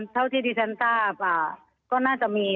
เท่าที่ที่ฉันทราบก็น่าจะมี